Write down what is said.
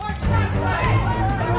ayo kita kerbangin dia